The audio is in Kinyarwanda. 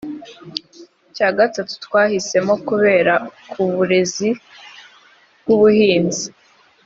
icya gatatu twahisemo kureba kuburezi n’ubuhinzi